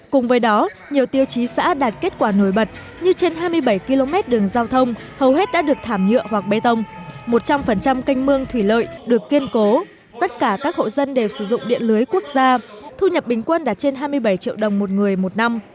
cùng với đó nhiều tiêu chí xã đạt kết quả nổi bật như trên hai mươi bảy km đường giao thông hầu hết đã được thảm nhựa hoặc bê tông một trăm linh kênh mương thủy lợi được kiên cố tất cả các hộ dân đều sử dụng điện lưới quốc gia thu nhập bình quân đạt trên hai mươi bảy triệu đồng một người một năm